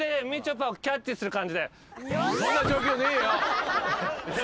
そんな状況ねーよ。